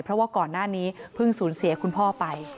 เพราะว่าก่อนหน้านี้เพิ่งสูญเสียคุณพ่อไป